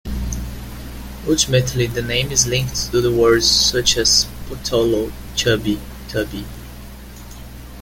Ultimately the name is linked to words such as "pottolo" "chubby, tubby".